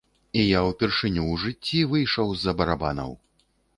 І я ўпершыню ў жыцці выйшаў з-за барабанаў!